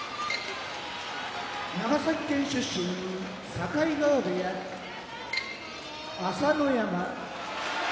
長崎県出身境川部屋朝乃山